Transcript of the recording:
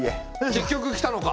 結局来たのか？